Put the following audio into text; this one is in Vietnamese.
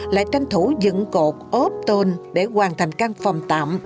lại tranh thủ dựng cột ốp tôn để hoàn thành căn phòng tạm